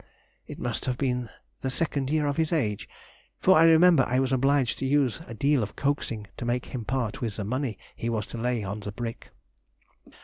It must have been the second year of his age, for I remember I was obliged to use a deal of coaxing to make him part with the money he was to lay on the brick.